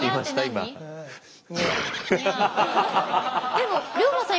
でも龍馬さん